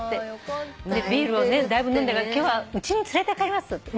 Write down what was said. ビールをねだいぶ飲んだから「今日はうちに連れて帰ります」って。